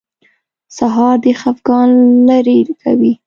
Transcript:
سهار د خفګان لرې کوي.